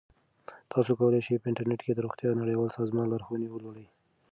تاسو کولی شئ په انټرنیټ کې د روغتیا نړیوال سازمان لارښوونې ولولئ.